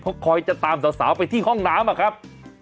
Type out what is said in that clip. เพราะคอยจะตามสาวไปที่ห้องน้ำอะครับ